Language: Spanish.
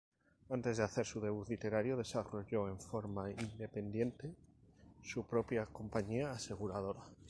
Antes de hacer su debut literario desarrolló en forma independiente su propia compañía aseguradora.